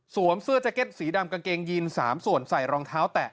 เสื้อแจ็ตสีดำกางเกงยีน๓ส่วนใส่รองเท้าแตะ